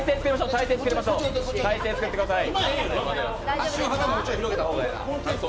態勢を作ってください。